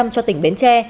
cho tỉnh bến tre